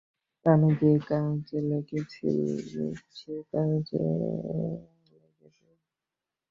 আমি যে কাজে লেগেছি, সেই কাজে লেগে যা।